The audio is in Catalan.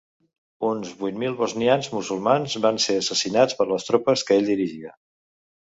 Uns vuit mil bosnians musulmans van ser assassinats per les tropes que ell dirigia.